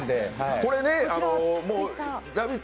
これね、「ラヴィット！」